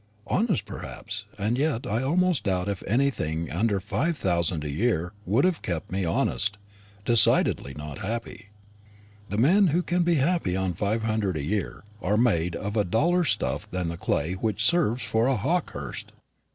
"Honest perhaps; and yet I almost doubt if anything under five thousand a year would have kept me honest. Decidedly not happy; the men who can be happy on five hundred a year are made of a duller stuff than the clay which serves for a Hawkehurst."